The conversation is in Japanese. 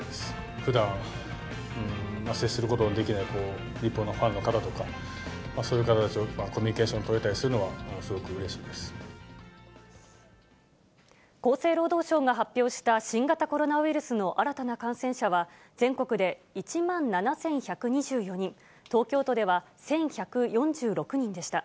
ふだん、接することのできない日本のファンの方とか、そういう方たちとコミュニケーション取れたりするのは、すごくう厚生労働省が発表した、新型コロナウイルスの新たな感染者は、全国で１万７１２４人、東京都では１１４６人でした。